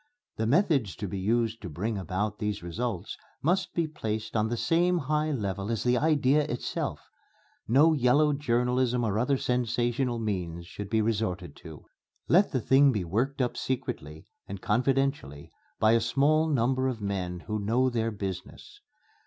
The methods to be used to bring about these results must be placed on the same high level as the idea itself. No yellow journalism or other sensational means should be resorted to. Let the thing be worked up secretly and confidentially by a small number of men who know their business.